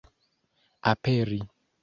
aperi